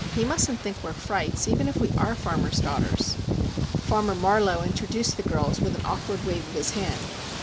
He mustn't think we are frights, even if we are a farmer's daughters!" Farmer Marlowe introduced the girls with an awkward wave of his hand.